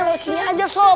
lewat sini aja sob